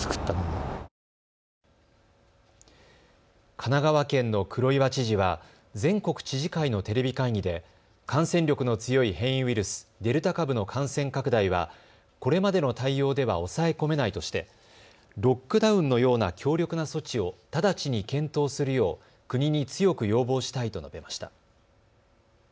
神奈川県の黒岩知事は全国知事会のテレビ会議で感染力の強い変異ウイルス、デルタ株の感染拡大はこれまでの対応では抑え込めないとしてロックダウンのような強力な措置を直ちに検討するよう国に強く要望したいと述べました。